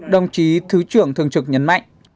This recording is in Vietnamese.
đồng chí thứ trưởng thường trực nhấn mạnh